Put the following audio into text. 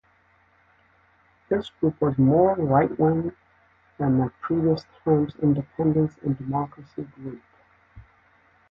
This group was more right-wing than the previous term's Independence and Democracy group.